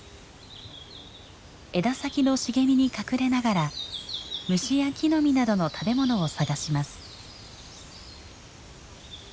枝先の茂みに隠れながら虫や木の実などの食べ物を探します。